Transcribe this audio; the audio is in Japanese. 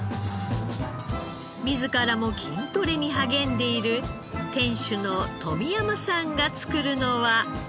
自らも筋トレに励んでいる店主の富山さんが作るのは。